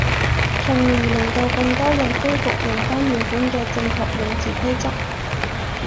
從而令到更多人恢復用返原本嘅正確用字規則